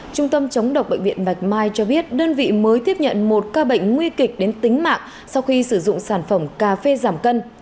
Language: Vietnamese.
trung tâm chống độc bệnh viện bạch mai cho biết đơn vị mới tiếp nhận một ca bệnh nguy kịch đến tính mạng sau khi sử dụng sản phẩm cà phê giảm cân